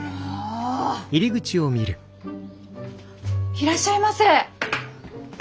いらっしゃいませ！